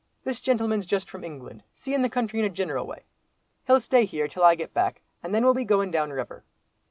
This gentleman's just from England, seein' the country in a gineral way; he'll stay here till I get back, and then we'll be going down river."